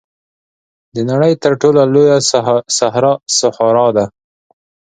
د نړۍ تر ټولو لویه صحرا سهارا ده.